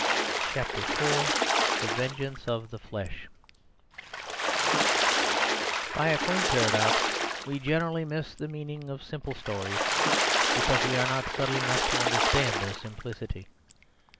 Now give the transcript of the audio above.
CHAPTER IV THE VENGEANCE OF THE FLESH By a quaint paradox, we generally miss the meaning of simple stories because we are not subtle enough to understand their simplicity.